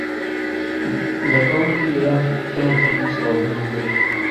زده کوونکي دې لاندې پوښتنو ته لنډ ځوابونه ووایي.